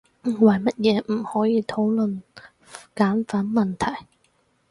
為乜嘢唔可以討論簡繁問題？